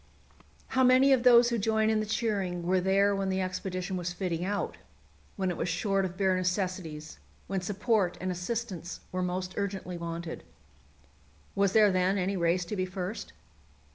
How many of those who join in the cheering were there when the expedition was fitting out, when it was short of bare necessities, when support and assistance were most urgently wanted? Was there then any race to be first?